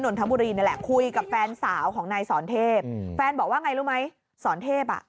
นทบุรีนี่แหละคุยกับแฟนสาวของนายสอนเทพอืมแฟนบอกว่าไงรู้ไหมสอนเทพอ่ะ